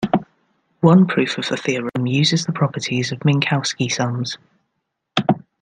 One proof of the theorem uses the properties of Minkowski sums.